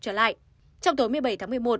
trở lại trong tối một mươi bảy tháng một mươi một